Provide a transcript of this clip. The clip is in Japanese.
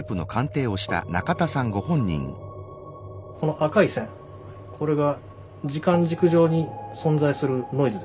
この赤い線これが時間軸上に存在するノイズですね。